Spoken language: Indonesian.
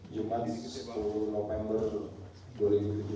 saya disini hanya membacakan perkeputusan kolektif kolektif